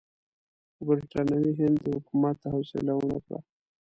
خو برټانوي هند حکومت حوصله ونه کړه.